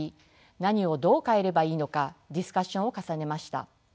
何をどう変えればいいのかディスカッションを重ねました。